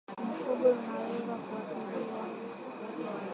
Mifugo inaweza kuathiriwa